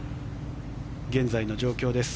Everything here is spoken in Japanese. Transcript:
現在の状況です。